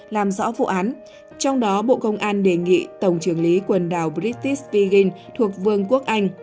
làm rõ vụ án trong đó bộ công an đề nghị tổng trưởng lý quần đảo britis vegin thuộc vương quốc anh